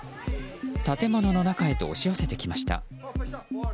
建物の中へと押し寄せてきました。